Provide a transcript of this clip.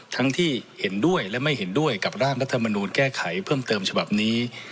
ทั้งที่เห็นด้วยและไม่เห็นด้วยกับร่างรัฐมนูลแก้ไขเพิ่มเติมฉบับนี้